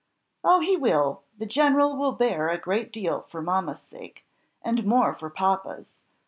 "Oh, he will! the general will bear a great deal for mamma's sake, and more for papa's.